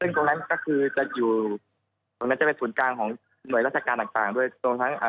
ซึ่งตรงนั้นก็คือจะอยู่ตรงนั้นคนเป็นส่วนกลางของหน่วยราศการต่าง